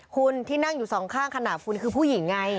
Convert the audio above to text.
คุณที่นั่งอยู่สองข้างขนาดคุณคือผู้หญิงไง